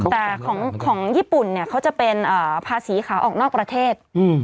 แต่ของญี่ปุ่นเนี่ยเขาจะเป็นภาษีขาออกนอกประเทศ